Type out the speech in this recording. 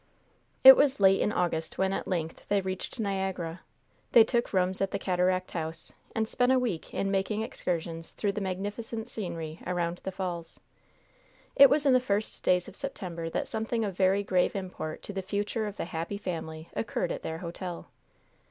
It was late in August when at length they reached Niagara. They took rooms at the Cataract House, and spent a week in making excursions through the magnificent scenery around the Falls. It was in the first days of September that something of very grave import to the future of the happy family occurred at their hotel.